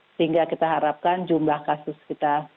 sehingga kita harapkan jumlah kasus kita